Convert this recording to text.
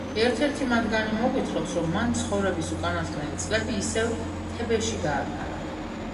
ერთ–ერთი მათგანი მოგვითხრობს, რომ მან ცხოვრების უკანასკნელი წლები ისევ თებეში გაატარა.